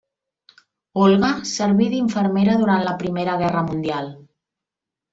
Olga serví d'infermera durant la Primera Guerra Mundial.